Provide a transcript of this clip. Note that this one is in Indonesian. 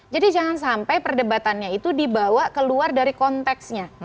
jadi jangan sampai perdebatannya itu dibawa keluar dari konteksnya